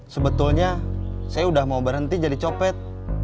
sebetulnya saya udah mau berhenti jadi copet